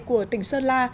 của tỉnh sơn la